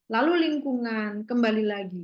lalu lingkungan kembali lagi